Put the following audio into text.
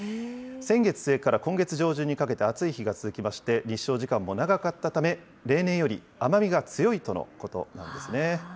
先月末から今月上旬にかけて暑い日が続きまして、日照時間も長かったため、例年より甘みが強いとのことなんですね。